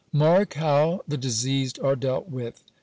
Mark how the diseased are dealt with.